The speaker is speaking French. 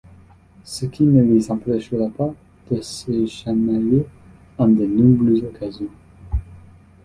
Ce qui ne les empêchera pas de se chamailler en de nombreuses occasions.